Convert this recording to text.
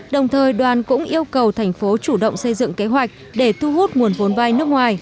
đồng thời đoàn cũng yêu cầu thành phố chủ động xây dựng kế hoạch để thu hút nguồn vốn vai nước ngoài